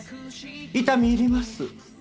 痛み入ります。